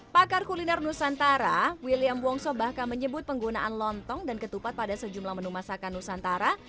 pakar kuliner nusantara william wongso bahkan menyebut penggunaan lontong dan ketupat pada sejumlah menu masakan nusantara